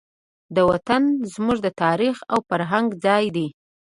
وطن زموږ د تاریخ او فرهنګ ځای دی.